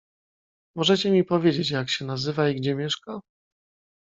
"Możecie mi powiedzieć jak się nazywa i gdzie mieszka?"